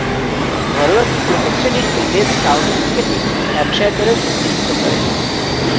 ঘরোয়া প্রথম-শ্রেণীর ইংরেজ কাউন্টি ক্রিকেটে হ্যাম্পশায়ার দলের প্রতিনিধিত্ব করেন।